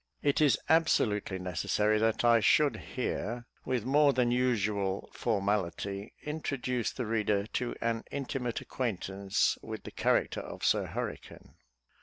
It is absolutely necessary that I should here, with more than usual formality, introduce the reader to an intimate acquaintance with the character of Sir Hurricane.